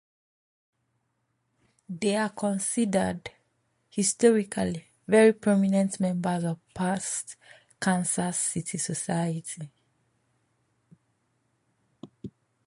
They are considered, historically, very prominent members of past Kansas City Society.